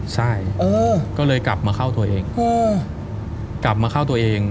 ใช่ก็เลยกลับมาเข้าตัวเองกลับมาเข้าตัวเอง